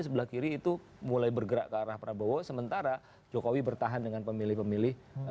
sebelah kiri itu mulai bergerak ke arah prabowo sementara jokowi bertahan dengan pemilih pemilih